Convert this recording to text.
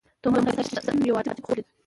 توماس ايډېسن يو عجيب خوب وليد.